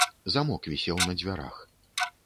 Замок вісеў на дзвярах.